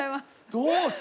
どうした？